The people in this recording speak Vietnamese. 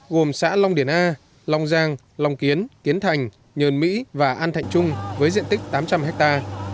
gồm xã long điển a long giang long kiến kiến thành nhờn mỹ và an thạnh trung với diện tích tám trăm linh ha